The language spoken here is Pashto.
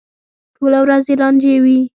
ټوله ورځ یې لانجې وي.